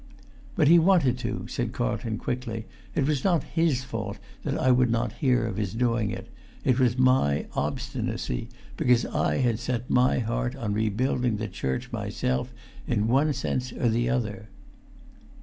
"But he wanted to," said Carlton, quickly. "It was not his fault that I would not hear of his doing so; it was my obstinacy, because I had set my heart on rebuilding the church myself, in one sense or the other."